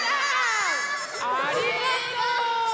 ありがとう！